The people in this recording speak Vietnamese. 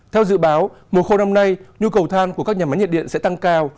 theo dự báo mùa khô năm nay nhu cầu than của các nhà máy nhiệt điện sẽ tăng cao